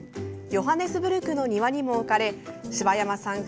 ヨハネスブルクの庭にも置かれ柴山さん